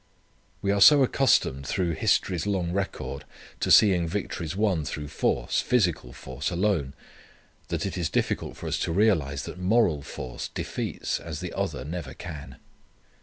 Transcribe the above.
We are so accustomed through history's long record to seeing victories won through force, physical force, alone, that it is difficult for us to realize that moral force defeats as the other never can.